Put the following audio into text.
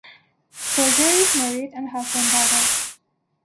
Berger is married and has one daughter.